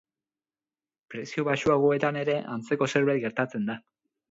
Prezio baxuagoetan ere antzeko zerbait gertatzen da.